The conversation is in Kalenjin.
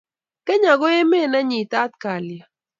kenya ko emet nenyitat kalyet